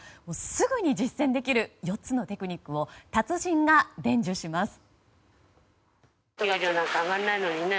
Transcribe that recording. すぐに実践できる４つのテクニックを達人が伝授します。